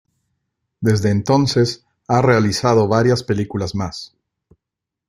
Desde entonces, ha realizado varias películas más.